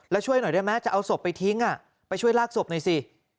แล้วช่วยหน่อยได้ไหมจะเอาศพไปทิ้งไปช่วยลากศพหน่อยสิ